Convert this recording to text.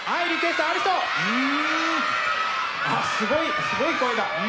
あっすごいすごい声だ。